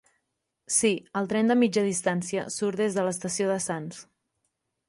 Sí, el tren de mitja distància surt des de l'estació de Sants.